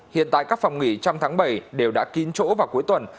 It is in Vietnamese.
hiện tại các phòng nghỉ trong tháng bảy đều đã kín chỗ vào cuối tuần